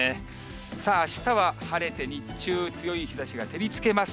さあ、あしたは晴れて日中、強い日ざしが照りつけます。